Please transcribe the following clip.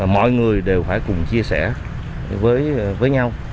mọi người đều phải cùng chia sẻ với nhau